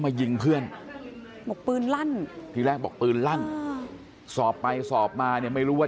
มายิงเพื่อนบอกปืนลั่นทีแรกบอกปืนลั่นสอบไปสอบมาเนี่ยไม่รู้ว่า